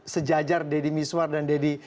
sejajar deddy miswar dan deddy